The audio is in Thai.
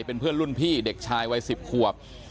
เป็นเพื่อนรุ่นพี่เด็กชายวัย๑๐ขวบ